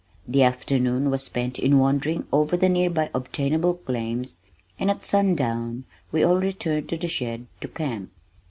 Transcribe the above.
The afternoon was spent in wandering over the near by obtainable claims and at sundown we all returned to the shed to camp.